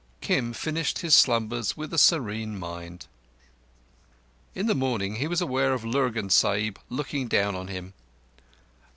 Kim finished his slumbers with a serene mind. In the morning he was aware of Lurgan Sahib looking down on him.